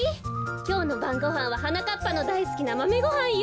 きょうのばんごはんははなかっぱのだいすきなマメごはんよ。